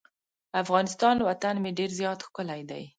افغانستان وطن مې ډیر زیات ښکلی دی.